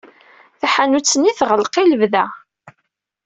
Taḥanut-nni teɣleq i lebda.